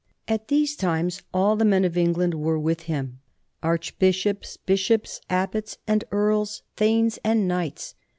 And at these times, all the men of England were with him, archbishops, bishops, abbots, and earls, thanes, and knights.